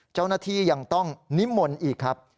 เจ้าหน้าที่ยังต้องนิมนต์อีกครับ